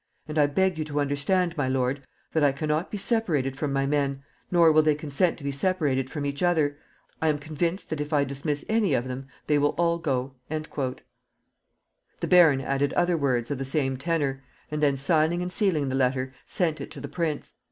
And I beg you to understand, my lord, that I can not be separated from my men; nor will they consent to be separated from each other. I am convinced that, if I dismiss any of them, they will all go." The baron added other words of the same tenor, and then, signing and sealing the letter, sent it to the prince.